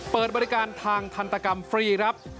เปิดบริการทางทันตกรรมฟรีครับ